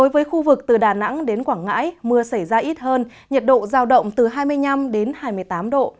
với khu vực từ đà nẵng đến quảng ngãi mưa xảy ra ít hơn nhiệt độ giao động từ hai mươi năm đến hai mươi tám độ